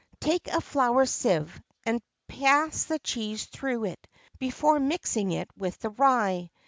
Take a flour sieve, and pass the cheese through it before mixing it with the rye.